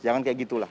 jangan kayak gitu lah